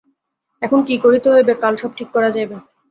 এখন কী করিতে হইবে, কাল সব ঠিক করা যাইবে।